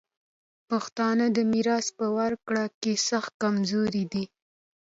پښتانه د میراث په ورکړه کي سخت کمزوري دي.